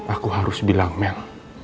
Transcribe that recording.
aku harus bilang mel